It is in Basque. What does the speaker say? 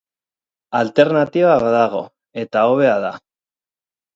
Alternatiba badago, eta hobea da.